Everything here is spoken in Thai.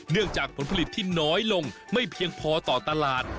จากผลผลิตที่น้อยลงไม่เพียงพอต่อตลาด